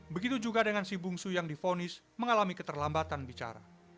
begitu juga dengan si bungsu yang difonis mengalami keterlambatan bicara